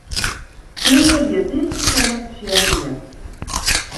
Kleurje dizze seleksje read.